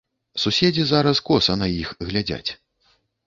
Суседзі зараз коса на іх глядзяць.